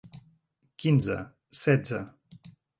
Quinze, setze...